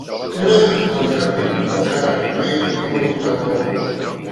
Què venen als jardins del Teatre Grec número vuitanta-u?